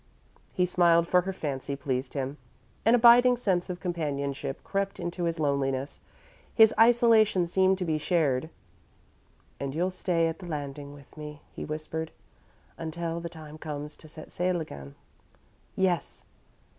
He smiled, for her fancy pleased him. An abiding sense of companionship crept into his loneliness; his isolation seemed to be shared. "And you'll stay at the landing with me," he whispered, "until the time comes to set sail again?" "Yes."